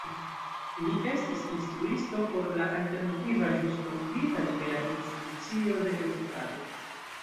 Li estis instruisto por la alternativa ĵus fondita Libera Institucio de Edukado.